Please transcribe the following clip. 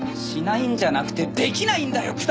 しないんじゃなくてできないんだよ！